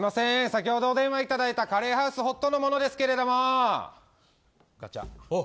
先ほどお電話いただいたカレーハウスホットのものですけど。